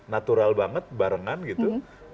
natural banget barengan gitu